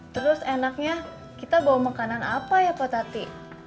terus enaknya kita bawa makanan apa ya pak tati